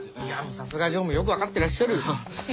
さすが常務よくわかってらっしゃる。